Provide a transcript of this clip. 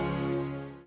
kami menark enorme sangat